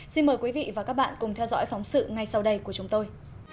xin mời quý vị và các bạn cùng theo dõi phóng sự ngay sau đây của chúng tôi